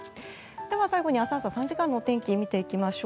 では最後に明日朝３時間のお天気見ていきましょう。